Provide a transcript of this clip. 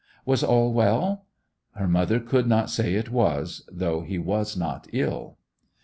Was all well? Her mother could not say it was; though he was not ill.